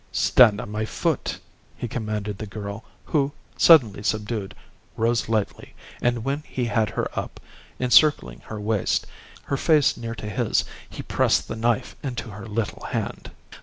"Stand on my foot," he commanded the girl, who, suddenly subdued, rose lightly, and when he had her up, encircling her waist, her face near to his, he pressed the knife into her little hand.